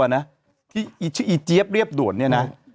หนีอีเจี๊ยบเรียปด่วนนี่นะ